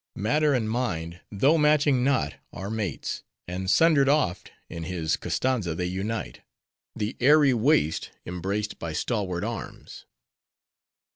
matter and mind, though matching not, are mates; and sundered oft, in his Koztanza they unite:—the airy waist, embraced by stalwart arms.